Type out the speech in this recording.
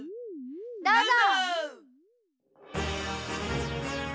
どうぞ！